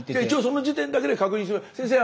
一応その時点だけで確認します。